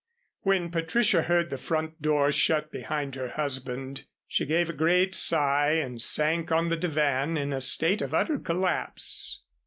When Patricia heard the front door shut behind her husband, she gave a great sigh and sank on the divan in a state of utter collapse.